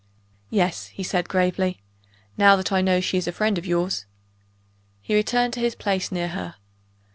"Yes," he said grave ly, "now I know that she is a friend of yours." He returned to his place near her.